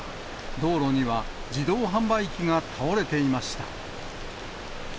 道路には自動販売機が倒れていました。